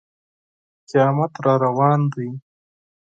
قیامت را روان دی.